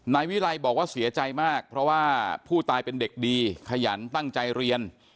นายวิรัยบอกว่าเสียใจมากเพราะว่าผู้ตายเป็นเด็กดีขยันตั้งใจเรียน